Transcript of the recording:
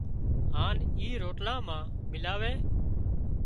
هانَ اِي روٽلا مان ملائي